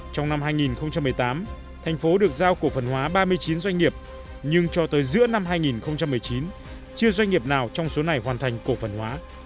trong năm hai nghìn một mươi tám thành phố được giao cổ phần hóa ba mươi chín doanh nghiệp nhưng cho tới giữa năm hai nghìn một mươi chín chưa doanh nghiệp nào trong số này hoàn thành cổ phần hóa